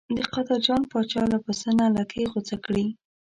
د قادر جان پاچا له پسه نه لکۍ غوڅه کړې.